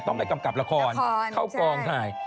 ต้องไปกำกับละครเข้ากองถ่าย